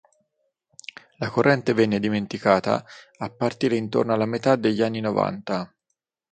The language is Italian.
La corrente venne dimenticata a partire intorno alla metà degli anni novanta.